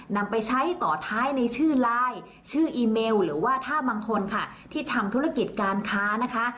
นำไปใช้ต่อท้ายในชื่อไลน์ชื่ออีเมลหรือว่าถ้าบางคนค่ะที่ทำธุรกิจการค้านะคะ